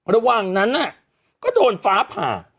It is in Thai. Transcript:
ระหว่างนั้นก็โดนฟ้าผ่า